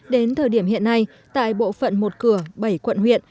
đến thời điểm hiện nay tại bộ phận một cửa bảy quận huyện